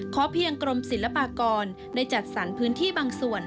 เพียงกรมศิลปากรได้จัดสรรพื้นที่บางส่วน